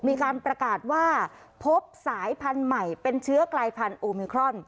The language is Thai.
มีการประกาศว่าพบสายพันธุ์ใหม่เป็นเชื้อกลายพันธุ์โอมิครอน